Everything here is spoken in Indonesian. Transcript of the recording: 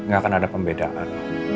gak akan ada pembedaan